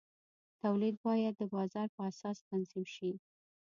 تولید باید د بازار په اساس تنظیم شي.